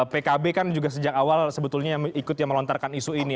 pkb kan juga sejak awal sebetulnya ikut ya melontarkan isu ini